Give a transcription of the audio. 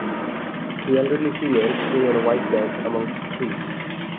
Two elderly females sitting on a white bench amongst trees.